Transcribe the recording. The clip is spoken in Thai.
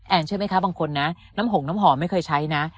เชื่อไหมคะบางคนนะน้ำหงน้ำหอมไม่เคยใช้นะ